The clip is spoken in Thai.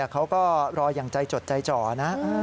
เขาก็รออย่างใจจดใจจ่อนะ